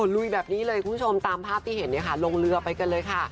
ลุยแบบนี้เลยคุณผู้ชมตามภาพที่เห็นลงเรือไปกันเลยค่ะ